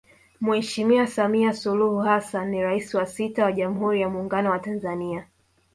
Mheshimiwa Samia Suluhu Hassan ni Rais wa sita wa Jamhuri ya Muungano wa Tanzania